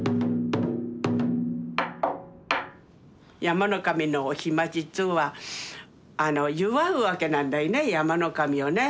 山の神のお日待ちっつうんは祝うわけなんだいね山の神をね。